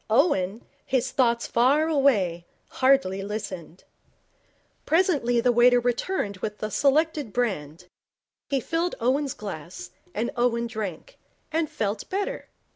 Owen, his thoughts far away, hardly listened. Presently the waiter returned with the selected brand. He filled Owen's glass, and Owen drank, and felt better.